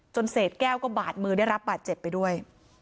เศษแก้วก็บาดมือได้รับบาดเจ็บไปด้วย